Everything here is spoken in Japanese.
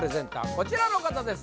こちらの方です